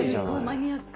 マニアック。